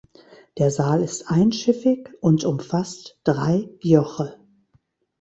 Der Saal ist einschiffig und umfasst drei Joche.